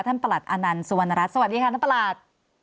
ประหลัดอานันต์สุวรรณรัฐสวัสดีค่ะท่านประหลัด